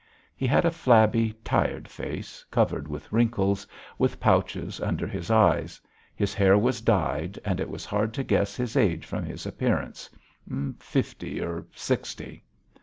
He had a flabby, tired face, covered with wrinkles, with pouches under his eyes; his hair was dyed, and it was hard to guess his age from his appearance fifty or sixty.